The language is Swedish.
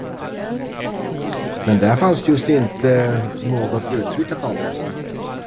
Men där fanns just inte något uttryck att avläsa.